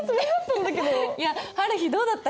いやはるひどうだった？